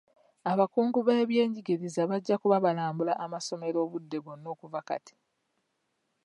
Abakungu b'ebyenjigiriza bajja kuba balambula amasomero obudde bwonna okuva kati.